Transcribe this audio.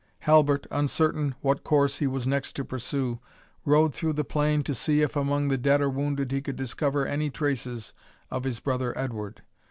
Halbert, uncertain what course he was next to pursue, rode through the plain to see if, among the dead or wounded, he could discover any traces of his brother Edward.